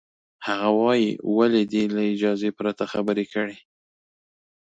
هغه وایي، ولې دې له اجازې پرته خبرې کړې؟